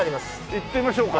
行ってみましょうか。